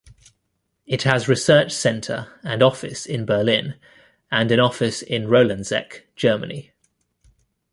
It has research centre and office in Berlin, and an office in Rolandseck, Germany.